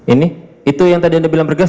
ini itu yang tadi anda bilang bergas